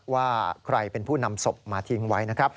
ว่าใครเป็นผู้นำศพมาทิ้งไว้นะครับ